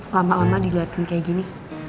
lama lama dilihatin kayak gini